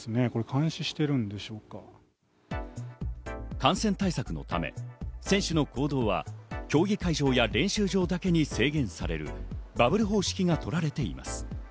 感染対策のため、選手の行動は競技会場や練習場だけに制限される、バブル方式がとられています。